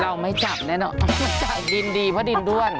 เราไม่จับแน่นอนจับดินดีเพราะดินด้วน